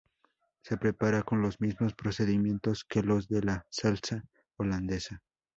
Se prepara con los mismos procedimientos que los de la salsa holandesa.